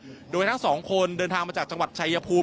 ที่เป็นประเทศไทยโดยทั้งสองคนเดินทางมาจากจังหวัดชายภูมิ